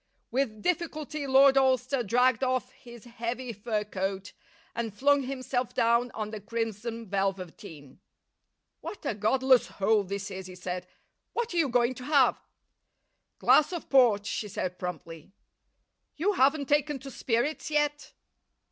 With difficulty Lord Alcester dragged off his heavy fur coat and flung himself down on the crimson velveteen. "What a godless hole this is," he said. "What are you going to have?" "Glass of port," she said promptly. "You haven't taken to spirits yet?"